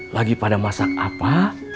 lagi pada masak apa